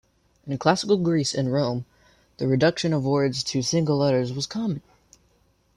In classical Greece and Rome, the reduction of words to single letters was common.